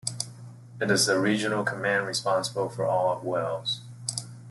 It is a regional command responsible for all of Wales.